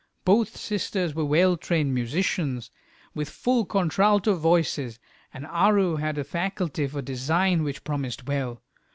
Both sisters were well trained musicians, with full contralto voices, and Aru had a faculty for design which promised well.